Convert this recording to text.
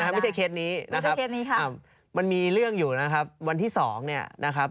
ไม่ใช่เคสนี้นะครับมันมีเรื่องอยู่นะครับวันที่๒เนี่ยนะครับ